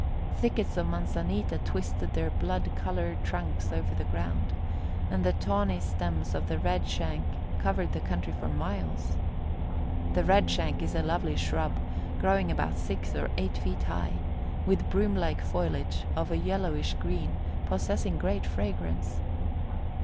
Thickets of manzanita twisted their blood colored trunks over the ground, and the tawny stems of the red shank covered the country for miles. The red shank is a lovely shrub, growing about six or eight feet high, with broom like foliage of a yellowish green, possessing great fragrance.